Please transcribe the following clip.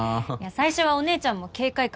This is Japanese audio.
最初はお姉ちゃんも警戒感